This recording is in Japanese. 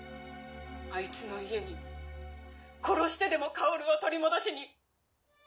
あいつの家に殺してでも薫を取り戻しに。